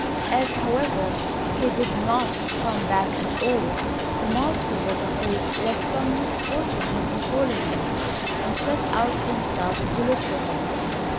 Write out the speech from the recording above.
As, however, he did not come back at all, the master was afraid lest some misfortune had befallen him, and set out himself to look for him.